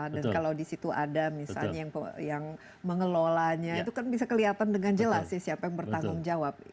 dan kalau di situ ada misalnya yang mengelolanya itu kan bisa kelihatan dengan jelas siapa yang bertanggung jawab